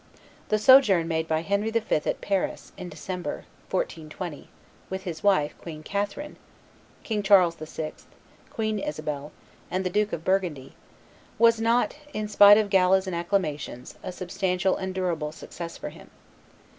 The sojourn made by Henry V. at Paris, in December, 1420, with his wife, Queen Catherine, King Charles VI., Queen Isabel, and the Duke of Burgundy, was not, in spite of galas and acclamations, a substantial and durable success for him.